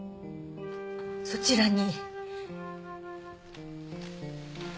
そちらに。